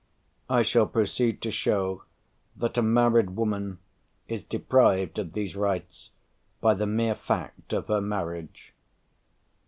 I shall proceed to show that a married woman is deprived of these rights by the mere fact of her marriage.